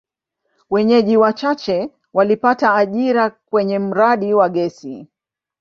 Wenyeji wachache walipata ajira kwenye mradi wa gesi.